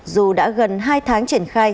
dù đã gần hai tháng triển khai